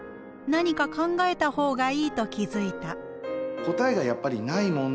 何か考えた方がいいと気付いた」。